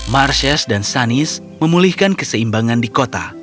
marcius dan sunnys memulihkan keseimbangan di kota